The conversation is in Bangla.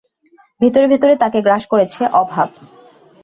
ভেতরে ভেতরে তাকে গ্রাস করেছে অভাব।